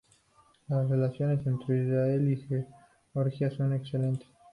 Las relaciones entre Israel y Georgia son excelentes.